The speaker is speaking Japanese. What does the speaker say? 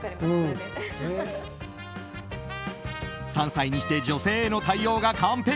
３歳にして女性への対応が完璧。